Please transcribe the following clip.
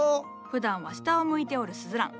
ふだんは下を向いておるスズラン。